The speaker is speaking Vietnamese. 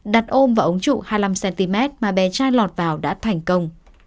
đặt ôm vào ống trụ hai mươi năm cm mà bé trai lọt vào đã thành công